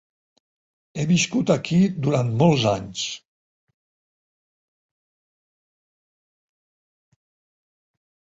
He viscut aquí durant molts anys.